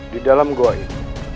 di dalam goa ini